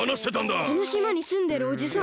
このしまにすんでるおじさん！